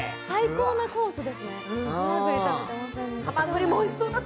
最高なコースですね。